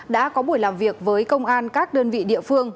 đã có buổi làm việc với công an các đơn vị địa phương